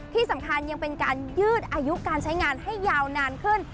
ที่สำคัญยังเป็นการยืดอายุการใช้งานให้ยาวนานขึ้น